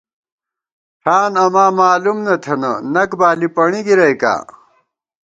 ٹھان اماں مالُوم نہ تھنہ ، نَک بالی ، پݨی گِرَئیکا